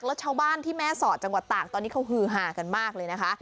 แล้วชาวบ้านที่แม่สอดจังหวัดตากตอนนี้เขาฮือหากันมากเลยนะคะ